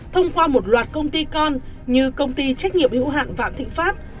thông qua một loạt công ty con như công ty trách nhiệm hữu hạn vạn thịnh pháp